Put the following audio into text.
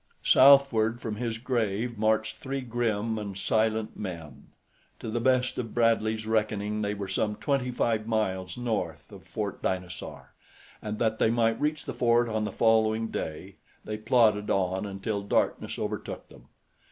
Southward from his grave marched three grim and silent men. To the best of Bradley's reckoning they were some twenty five miles north of Fort Dinosaur, and that they might reach the fort on the following day, they plodded on until darkness overtook them.